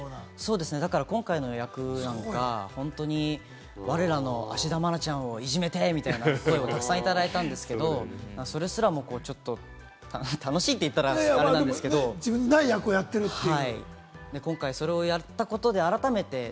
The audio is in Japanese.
そうですね、だから今回の役なんかは、我々の芦田愛菜ちゃんをいじめて！みたいな声をたくさんいただいたんですけれども、それすらもちょっと楽しいって言ったらあれなんですけれども、今回それをやったことで改めて。